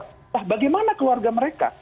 nah bagaimana keluarga mereka